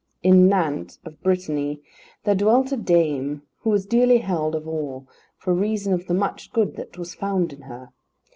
In Nantes, of Brittany, there dwelt a dame who was dearly held of all, for reason of the much good that was found in her.